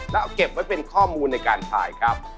แล้วเก็บไว้เป็นข้อมูลในการถ่ายครับ